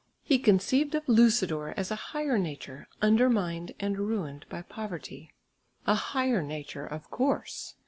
He conceived of Lucidor as a higher nature undermined and ruined by poverty. A higher nature of course!